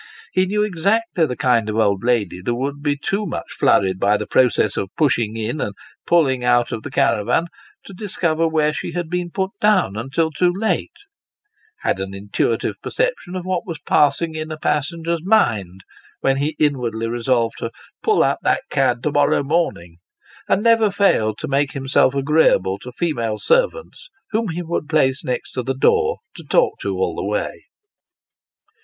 He know exactly the kind of old lady that would be too much flurried by the process of pushing in and pulling out of the caravan, to discover where she had been put down, until too late ; had an intuitive perception of what was passing in a passenger's mind when he inwardly resolved to " pull that cad up to morrow morning ;" and never failed to make himself agreeable to female servants, whom he would place next the door, and talk to all the way.